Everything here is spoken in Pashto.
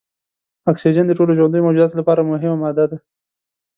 اکسیجن د ټولو ژوندیو موجوداتو لپاره مهمه ماده ده.